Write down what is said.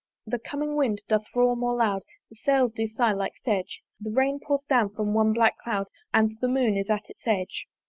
The coming wind doth roar more loud; The sails do sigh, like sedge: The rain pours down from one black cloud And the Moon is at its edge.